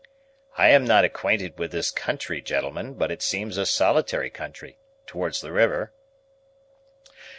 "I am not acquainted with this country, gentlemen, but it seems a solitary country towards the river."